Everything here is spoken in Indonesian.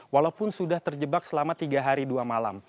walaupun sudah terjebak selama tiga hari dua malam